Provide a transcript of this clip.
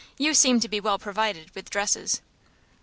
You seem to be well provided with dresses."